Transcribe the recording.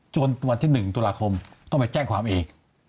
วันที่๑ตุลาคมต้องไปแจ้งความอีก